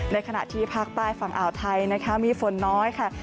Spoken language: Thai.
ในขณะที่ภาคใต้ฝั่งอ่าวไทยนะคะมีฝนน้อยค่ะ